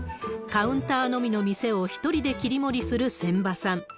カウンターのみの店を１人で切り盛りする千場さん。